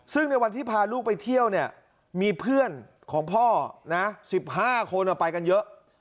ซึ่งในวันที่พาลูกไปเที่ยวเนี่ยมีเพื่อนของพ่อนะ๑๕คนไปกันเยอะ